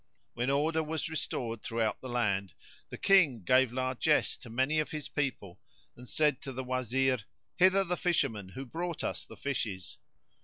When order was restored throughout the land the King gave largesse to many of his people, and said to the Wazir, "Hither the Fisherman who brought us the fishes!"